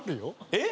えっ！